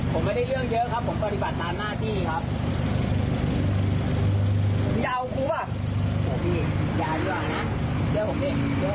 โหพี่อย่าดีกว่านะเดี๋ยวผมนี่